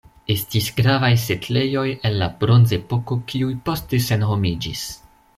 Estis gravaj setlejoj el la Bronzepoko, kiuj poste senhomiĝis.